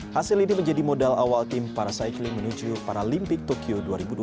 hasil ini menjadi modal awal tim para cycling menuju paralimpik tokyo dua ribu dua puluh